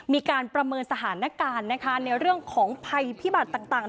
มีการประเมินสถานการณ์นะคะในเรื่องของภัยพิบัติต่าง